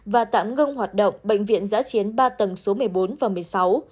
và tạm ngưng hoạt động bệnh viện giã chiến ba tầng số một mươi bốn và một mươi sáu